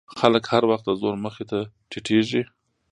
خلک هر وخت د زور مخې ته ټیټېږي.